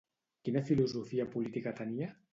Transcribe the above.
Quina filosofia política tenia?